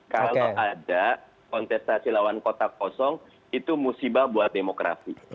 kalau ada kontestasi lawan kota kosong itu musibah buat demokrasi